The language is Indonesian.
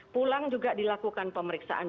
pulang juga dilakukan pemeriksaan